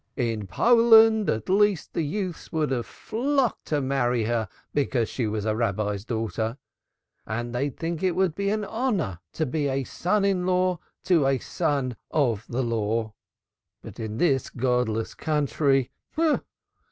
In Poland at least the youths would have flocked to marry her because she was a Rabbi's daughter, and they'd think It an honor to be a son in law of a Son of the Law. But in this godless country!